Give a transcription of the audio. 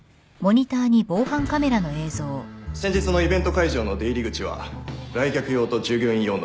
先日のイベント会場の出入り口は来客用と従業員用の２つ。